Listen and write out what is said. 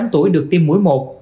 một mươi tám tuổi được tiêm mũi một